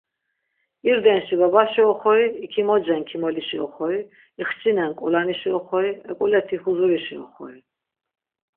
irdenşi babaşi oxori, ikimocen kimolişi oxori, ixçinen k̆ulanişi oxori, ek̆uleti huzurişi oxori…